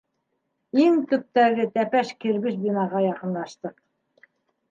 Иң төптәге тәпәш кирбес бинаға яҡынлаштыҡ.